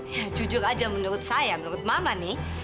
ya jujur aja menurut saya menurut mama nih